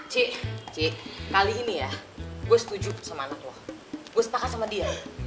cik cik kali ini ya gue setuju sama anak lo gue sepakat sama dia